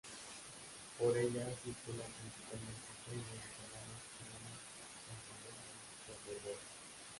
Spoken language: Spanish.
Por ella circulan principalmente trenes regionales que unen Angulema con Burdeos.